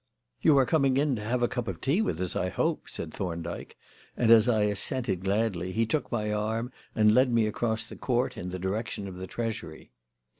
"You are coming in to have a cup of tea with us, I hope," said Thorndyke; and as I assented gladly, he took my arm and led me across the court in the direction of the Treasury.